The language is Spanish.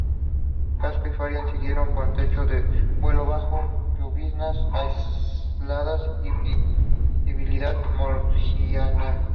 Casco y Farías siguieron con techo de vuelo bajo, lloviznas aisladas y visibilidad marginal.